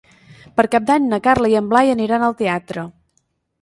Per Cap d'Any na Carla i en Blai aniran al teatre.